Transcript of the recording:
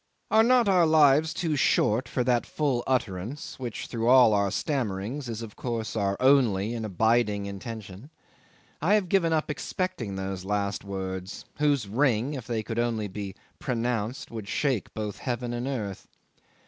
Are not our lives too short for that full utterance which through all our stammerings is of course our only and abiding intention? I have given up expecting those last words, whose ring, if they could only be pronounced, would shake both heaven and earth.